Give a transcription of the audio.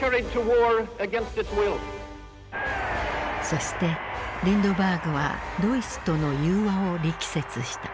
そしてリンドバーグはドイツとの宥和を力説した。